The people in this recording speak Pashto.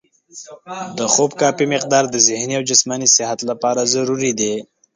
د خوب کافي مقدار د ذهني او جسماني صحت لپاره ضروري دی.